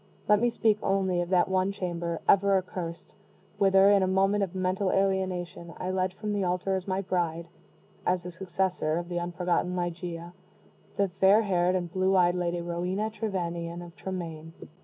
Let me speak only of that one chamber, ever accursed, whither, in a moment of mental alienation, I led from the altar as my bride as the successor of the unforgotten Ligeia the fair haired and blue eyed Lady Rowena Trevanion, of Tremaine.